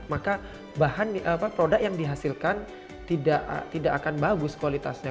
maka bahan produk yang dihasilkan tidak akan bagus kualitasnya